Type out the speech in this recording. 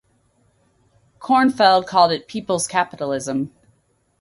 Cornfeld called it people's capitalism.